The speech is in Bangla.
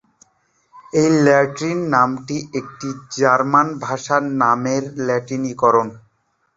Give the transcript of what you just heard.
এই ল্যাটিন নামটি একটি জার্মান ভাষার নামের ল্যাটিনীকরণ।